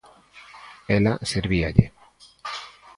Ela servíalle.